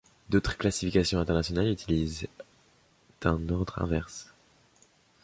D'autres classifications internationales utilisent un ordre inverse.